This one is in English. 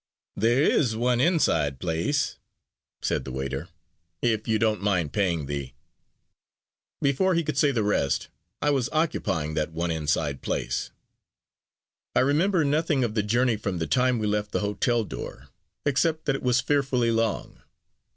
"There is one inside place," said the waiter, "if you don't mind paying the " Before he could say the rest, I was occupying that one inside place. I remember nothing of the journey from the time we left the hotel door, except that it was fearfully long.